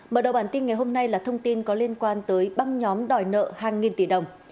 mở đầu bản tin ngày hôm nay là thông tin có liên quan tới băng nhóm đòi nợ hàng nghìn tỷ đồng